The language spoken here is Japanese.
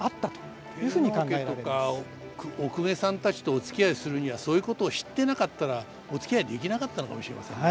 天皇家とかお公家さんたちとおつきあいするにはそういうことを知ってなかったらおつきあいできなかったのかもしれませんね。